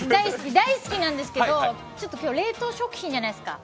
大好きなんですけど、今日冷凍食品じゃないですか。